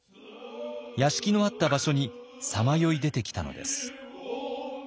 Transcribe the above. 屋敷のあった場所にさまよい出てきたのです。